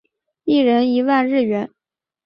一人一万日元